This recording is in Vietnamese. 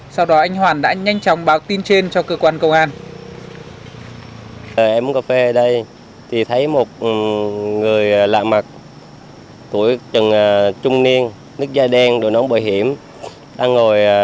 sau đó anh hoàn đã nhanh chóng báo tin trên cho cơ quan công an